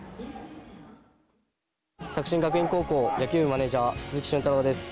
作新学院高校野球部マネージャー鈴木駿太郎です。